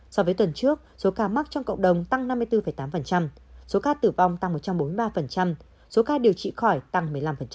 so với tuần trước số ca mắc trong cộng đồng tăng năm mươi bốn tám số ca tử vong tăng một trăm bốn mươi ba số ca điều trị khỏi tăng một mươi năm